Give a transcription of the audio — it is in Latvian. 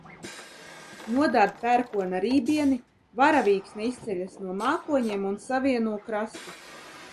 Nodārd pērkona rībieni, varavīksne izceļas no mākoņiem un savieno krastus.